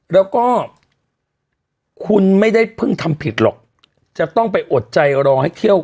แล้วก็คุณไม่ได้เพิ่งทำผิดหรอกจะต้องไปอดใจรอให้เที่ยว